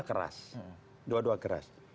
keras dua dua keras